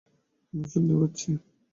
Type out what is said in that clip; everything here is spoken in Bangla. আমি শুনতে পাচ্ছি।